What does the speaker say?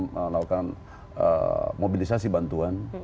melakukan mobilisasi bantuan